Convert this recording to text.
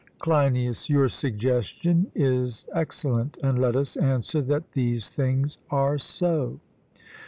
CLEINIAS: Your suggestion is excellent; and let us answer that these things are so.